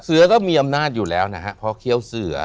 เสือก็มีอำนาจอยู่แล้วนะฮะเพราะเคี้ยวเสือ